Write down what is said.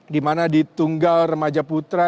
dimana di tunggal remaja putra